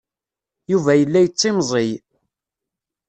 Yuba yella yettimẓiy.